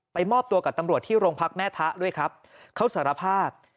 มอบตัวกับตำรวจที่โรงพักแม่ทะด้วยครับเขาสารภาพ